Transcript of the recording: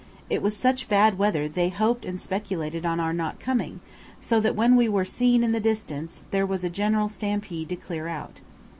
It was such bad weather they hoped and speculated on our not coming; so that when we were seen in the distance there was a general stampede to clear out.